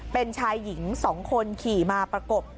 เป็นชายหญิง๒คนขี่มาประกบ